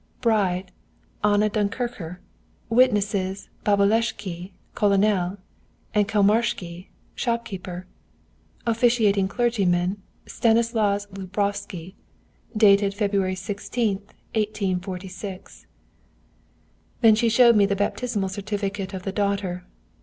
Bride: Anna Dunkircher. Witnesses: Babolescky, Colonel, and Kolmarscky, shopkeeper. Officiating clergyman: Stanislaus Lubousky. Dated, Feb. 16th, 1846.' "Then she showed me the baptismal certificate of the daughter.